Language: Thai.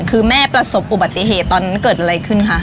คือแม่ประสบอุบัติเหตุตอนนั้นเกิดอะไรขึ้นคะ